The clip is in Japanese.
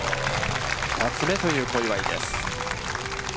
２つ目という小祝です。